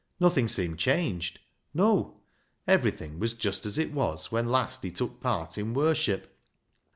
Nothing seemed changed. No ! Everything was just as it was when last he took part in worship.